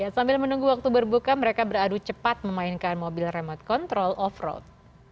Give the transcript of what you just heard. sambil menunggu waktu berbuka mereka beradu cepat memainkan mobil remote control off road